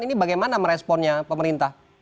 ini bagaimana meresponnya pemerintah